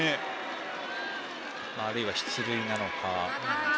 あるいは出塁なのか。